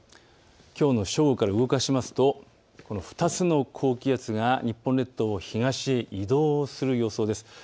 きょうの正午から動かしますと２つの高気圧が日本列島を東へ移動する予想です。